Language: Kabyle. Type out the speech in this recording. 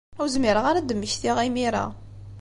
Ur zmireɣ ara ad d-mmektiɣ imir-a.